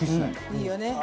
いいよね。